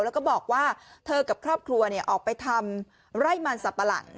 แล้วก็บอกว่าเธอกับครอบครัวออกไปทำไร่มันสับปะหลัง